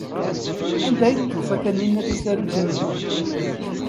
Anda ay d-tufa Taninna tasarut-nni?